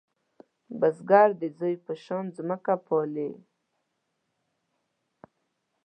بزګر د زوی په شان ځمکه پالې